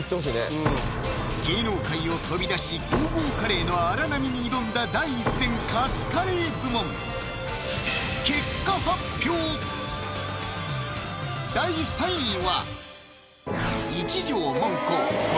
芸能界を飛び出しゴーゴーカレーの荒波に挑んだ第１戦カツカレー部門第３位は一条もんこ